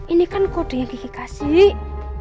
ini kan kode yang kiki kasih